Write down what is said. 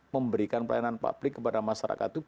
memberikan pelayanan publik kepada masyarakat itu